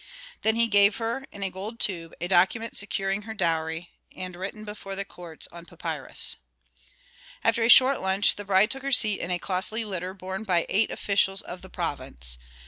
Then he gave her, in a gold tube, a document securing her dowry, and written before the court on papyrus. After a short lunch the bride took her seat in a costly litter borne by eight officials of the province.